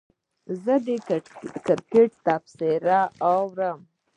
زه د کرکټ تفسیر اورم.